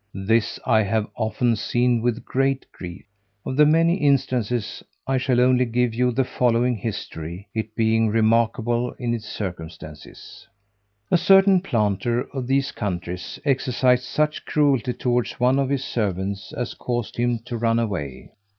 This I have often seen with great grief. Of the many instances, I shall only give you the following history, it being remarkable in its circumstances. A certain planter of these countries exercised such cruelty towards one of his servants, as caused him to run away.